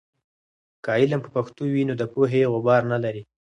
که علم په پښتو وي، نو د پوهې غبار نلري.